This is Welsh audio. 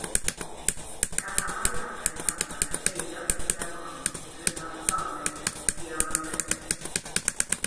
Gall amhariadau radio lesteirio'r system hon yn ystod stormydd geomagnetig.